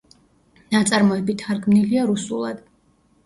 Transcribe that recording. ნაწარმოები თარგმნილია რუსულად.